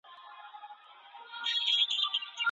فارمسست باید په درملتون کي وي؟